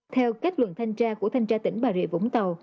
theo kết luận thanh tra của thanh tra tỉnh bà rịa vũng tàu